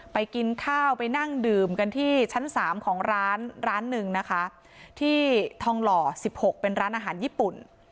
กินข้าวไปนั่งดื่มกันที่ชั้น๓ของร้านร้านหนึ่งนะคะที่ทองหล่อ๑๖เป็นร้านอาหารญี่ปุ่น